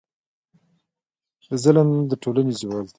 ظلم د ټولنې زوال دی.